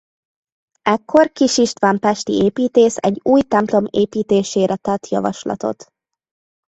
Ekkor Kis István pesti építész egy új templom építésére tett javaslatot.